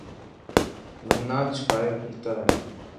منہ چھپائے پھرتاہے۔